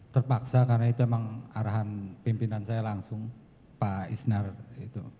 terpaksa karena itu memang arahan pimpinan saya langsung pak isnar itu